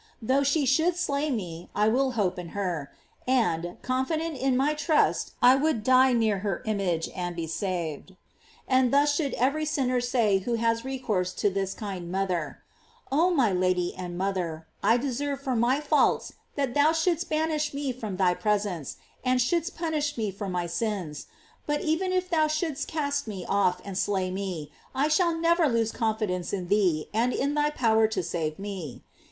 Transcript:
Though she should slay me, I will hope in her; and, confident in my trust, I would die near her image, and be saved.J And thus should every sinner say who has re course to this kind mother: Oh my Lady and mother, I deserve for my faults that thou shouldst banish me from thy presence, and shouldst punish me for my sins; but even if thou shouldst cast me off and slay me, I shall never lose confidence in thee and in thy power to save me.